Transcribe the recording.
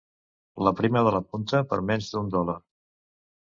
L'aprima de la punta per menys d'un dòlar.